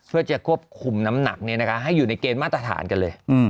เพื่อจะควบคุมน้ำหนักให้อยู่ในเกณฑ์มาตรฐานกันเลย